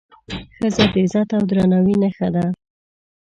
ښځه د عزت او درناوي نښه ده.